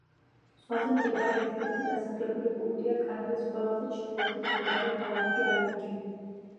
ზღვაზე მდებარე ერთადერთი დასახლებული პუნქტია კანადის ყველაზე ჩრდილოეთით მდებარე ქალაქი ალერტი.